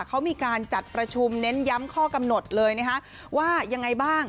เขามีการจัดประชุมเน้นย้ำข้อกำหนดเลยนะคะว่ายังไงบ้าง